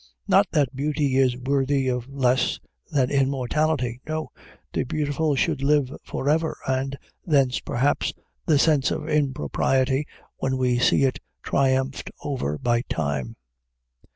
Not that beauty is worthy of less than immortality. No; the beautiful should live forever, and thence, perhaps, the sense of impropriety when we see it triumphed over by time.